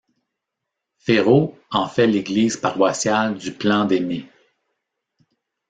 Féraud en fait l’église paroissiale du Plan-des-Mées.